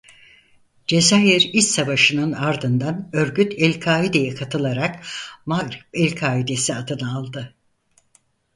Cezayir İç Savaşı'nın ardından örgüt El-Kaide'ye katılarak Mağrip el-Kaidesi adını aldı.